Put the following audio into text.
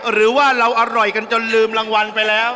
หรือว่าเราอร่อยกันจนลืมรางวัลไปแล้ว